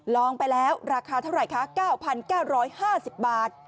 ลองไปแล้วราคาเท่าไหร่คะ๙๙๕๐บาท